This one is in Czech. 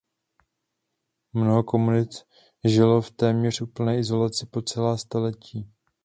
Mnoho komunit žilo v téměř úplné izolaci po celá staletí.